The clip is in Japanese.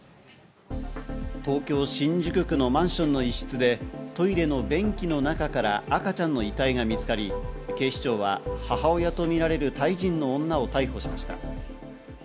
東京・新宿のマンションの一室でトイレの便器の中から赤ちゃんの遺体が見つかり、警視庁は母親とみられるタイ人の女を逮捕しました。